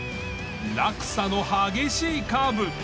落差の激しいカーブ。